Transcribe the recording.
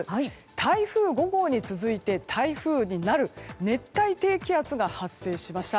台風５号に続いて台風になる熱帯低気圧が発生しました。